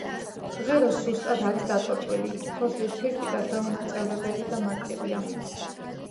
ღერო სუსტად არის დატოტვილი, ფოთლის ფირფიტა დაუნაწევრებელი და მარტივია.